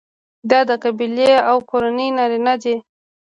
دا د قبیلې او کورنۍ نارینه دي.